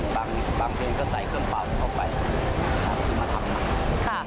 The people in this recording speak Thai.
บางเพลงก็ใส่เครื่องเปล่าเข้าไปมาทำ